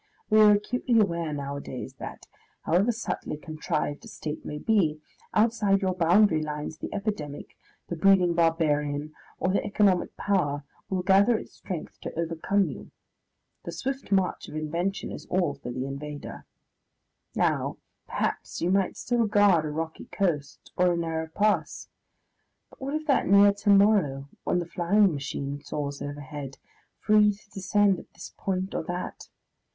We are acutely aware nowadays that, however subtly contrived a State may be, outside your boundary lines the epidemic, the breeding barbarian or the economic power, will gather its strength to overcome you. The swift march of invention is all for the invader. Now, perhaps you might still guard a rocky coast or a narrow pass; but what of that near to morrow when the flying machine soars overhead, free to descend at this point or that?